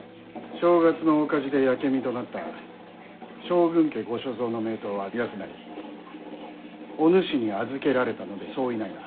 正月の大火事で焼け身となった将軍家ご所蔵の名刀は康成お主に預けられたので相違ないな？